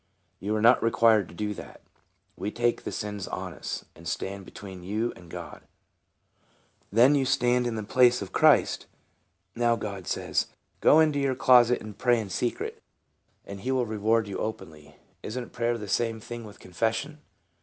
" You are not required to do that. We take the sins on us, and stand between you and God." " Then you stand in the place of Christ. Now God says, ' Go into your closet, and pray in secret, and he will reward openly.' Isn't prayer the same thing with confession?"